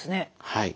はい。